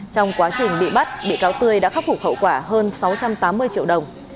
trong quá trình bị bắt bị cáo tươi đã khắc phục hậu quả hơn sáu trăm tám mươi triệu đồng